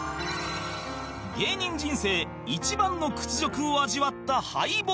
芸人人生一番の屈辱を味わった敗北